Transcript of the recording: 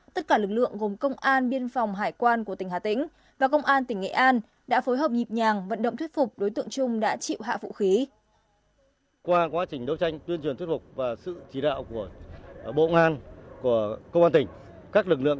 tất cả lực lượng gồm công an biên phòng hải quan của tỉnh hà tĩnh và công an tỉnh nghệ an